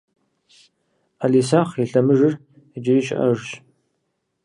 Ӏэлисахь и лъэмыжыр иджыри щыӏэжщ.